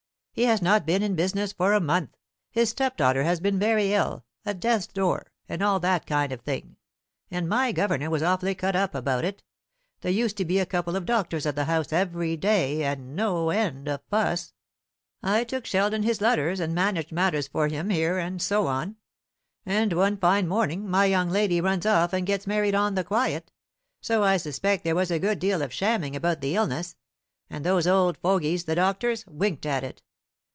"He has not been in business for a month. His stepdaughter has been very ill at death's door, and all that kind of thing, and my governor was awfully cut up about it. There used to be a couple of doctors at the house every day, and no end of fuss. I took Sheldon his letters, and managed matters for him here, and so on. And one fine morning my young lady runs off and gets married on the quiet; so I suspect there was a good deal of shamming about the illness and those old fogies, the doctors, winked at it.